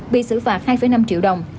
bị xử phạt hai năm triệu đồng